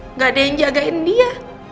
nggak ada yang jagain dia